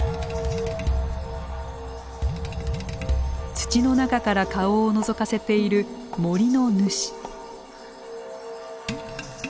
土の中から顔をのぞかせている森の主。